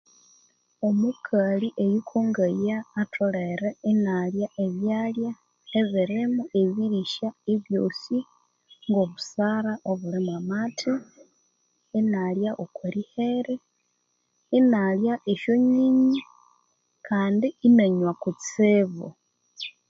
Omukali eyukongaya atholere inalya ebyalya ebirimo ebirisya ebyosi ngo obusara obuli mwa amathi inalya okwa lihere inalya esyonyinyi kandi inanywa kutsibu